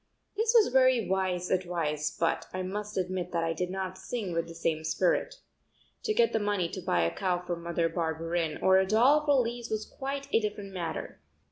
This was very wise advice but I must admit that I did not sing with the same spirit. To get the money to buy a cow for Mother Barberin or a doll for Lise was quite a different matter.